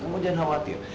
kamu jangan khawatir